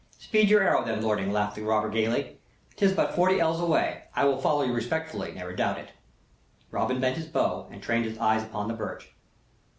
"Speed your arrow, then, lording," laughed the robber, gaily. "'Tis but forty ells away! I will follow you respectfully, never doubt it." Robin bent his bow and trained his eyes upon the birch.